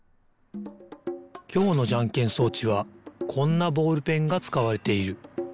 きょうのじゃんけん装置はこんなボールペンがつかわれている。